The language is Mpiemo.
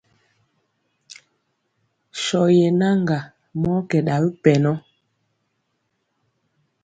Sɔ yenaŋga mɔ kɛ ɗa wi pɛnɔ.